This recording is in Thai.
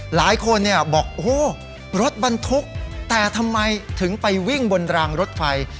หลายคนบอกโอ้โหรถบรรทุกแต่ทำไมถึงไปวิ่งบนรางรถไฟ